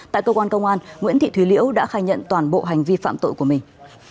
tại cơ quan công an nguyễn thị thùy liễu đã khai nhận toàn bộ hành vi phạm tội của mình